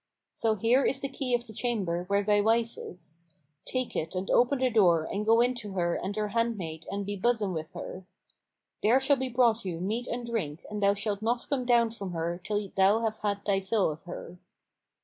So here is the key of the chamber where thy wife is: take it and open the door and go in to her and her handmaid and be buxom with her. There shall be brought you meat and drink and thou shalt not come down from her till thou have had thy fill of her."